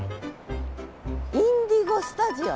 インディゴスタジオ。